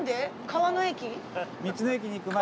川の駅？